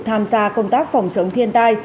tham gia công tác phòng chống thiên tai